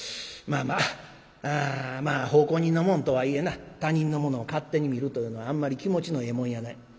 「まあまあまあ奉公人のもんとはいえな他人の物を勝手に見るというのはあんまり気持ちのええもんやない。